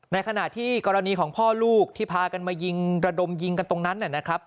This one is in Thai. ในขณะที่กรณีของพ่อลูกที่พากันมายิงระดมยิงกันตรงนั้นนะครับ